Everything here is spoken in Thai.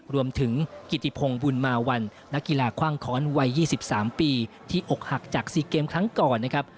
รวมถึงกิติพงศ์บุญมาวันนักกีฬาคว่างค้อนวัย๒๓ปีที่อกหักจาก๔เกมครั้งก่อนนะครับ